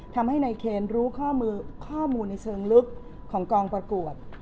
ทำให้นายเคนรู้ข้อมูลในเชิงลึกของกองประกวด